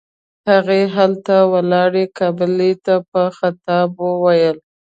هغې هلته ولاړې قابلې ته په خطاب وويل.